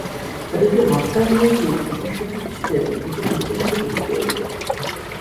তাদেরকে মক্কায় নিয়ে গিয়ে প্রতিশোধেছুদের নিকট উচ্চমূল্যে বিক্রি করে দিবে।